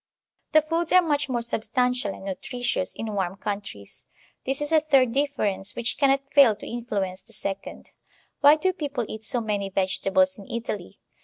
The foods are much more substantial and nutritious in warm countries; this is a third difference which cannot fail to influence the second. Why do people eat so many vegetables in Italy?